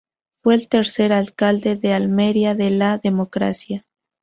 Fue el tercer alcalde de Almería de la democracia.